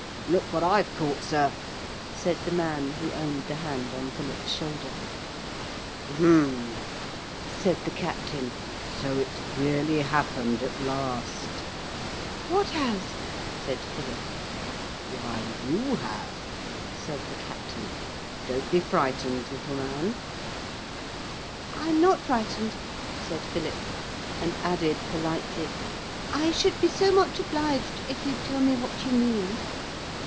'Look what I've caught, sir,' said the man who owned the hand on Philip's shoulder. 'Humph,' said the captain, 'so it's really happened at last.' [Illustration: 'Here I say, wake up, can't you?'] 'What has?' said Philip. 'Why, you have,' said the captain. 'Don't be frightened, little man.' 'I'm not frightened,' said Philip, and added politely, 'I should be so much obliged if you'd tell me what you mean.'